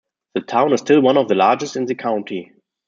The town is still one of the largest in the county.